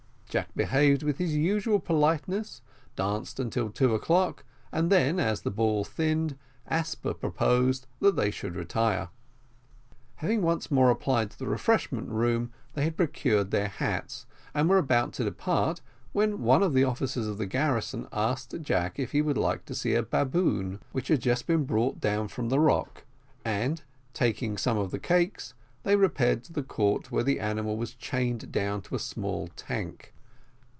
Jack behaved with his usual politeness, danced till two o'clock, and then, as the ball thinned, Asper proposed that they should retire. Having once more applied to the refreshment room, they had procured their hats, and were about to depart, when one of the officers of the garrison asked Jack if he would like to see a baboon, which had just been brought down from the rock; and, taking some of the cakes, they repaired to the court where the animal was chained down to a small tank.